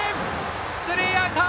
スリーアウト！